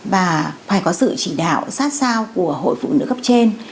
và phải có sự chỉ đạo sát sao của hội phụ nữ cấp trên